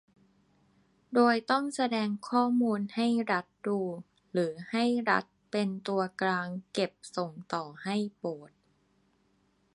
โดยต้องแสดงข้อมูลให้รัฐดู หรือให้รัฐเป็นตัวกลางเก็บส่งต่อให้โบสถ์